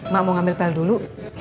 mak mau ngambil pel dulu